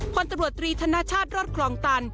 พลตำรวจตรีธนชาติรอดคลองตัน